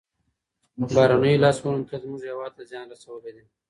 بهرنیو لاسوهنو تل زموږ هېواد ته زیان رسولی دی.